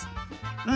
うん！